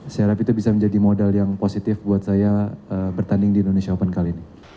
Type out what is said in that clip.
saya harap itu bisa menjadi modal yang positif buat saya bertanding di indonesia open kali ini